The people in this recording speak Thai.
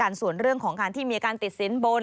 มีการสวนเรื่องของการที่มีการติดสินบน